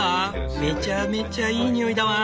めちゃめちゃいい匂いだワン！